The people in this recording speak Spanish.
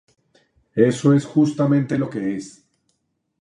Eso es justamente lo que es.